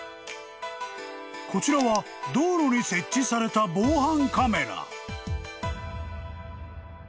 ［こちらは道路に設置された防犯カメラ］